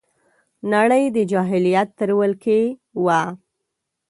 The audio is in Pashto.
نړۍ د جاهلیت تر ولکې وه